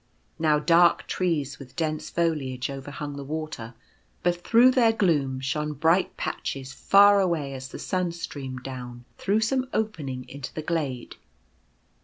Now dark trees with dense foliage overhung the water ; but through their gloom shone bright patches far away as the sun streamed down, through some opening, into the glade. The Shore.